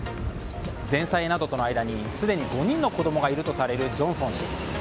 前妻などとの間にすでに５人の子供がいるとされるジョンソン氏。